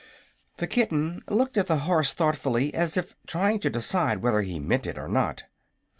The kitten looked at the horse thoughtfully, as if trying to decide whether he meant it or not.